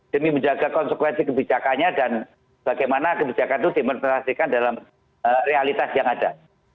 demi menjaga konsekuensi kebijakannya dan bagaimana kebijakan itu dimonerasikan dalam realitas yang ada